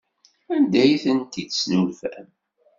Anda ay tent-id-tesnulfam?